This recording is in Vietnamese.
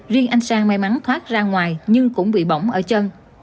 riêng anh sang may mắn thoát ra ngoài nhưng cũng bị bỏng ở chân